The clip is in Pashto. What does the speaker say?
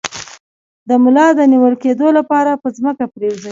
د ملا د نیول کیدو لپاره په ځمکه پریوځئ